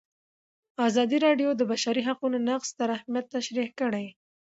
ازادي راډیو د د بشري حقونو نقض ستر اهميت تشریح کړی.